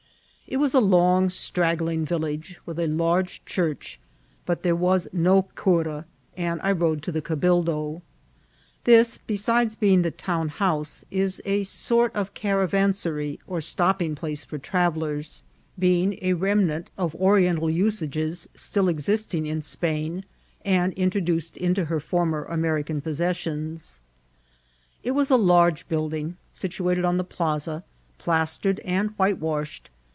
It was a long, straggling village, with a large church, but there was no cura, and I rode to the cabildo. This, besides being the town house, is a sort of caravansary or stopping place for travellers, being a remnant of Qri 184 IKCIDBKT8 OF TRATIt. entai usages still existing in Spain^ and introduced into her former American possessions. It was a large build ing, situated on the plaasa, plastered and whitewashed.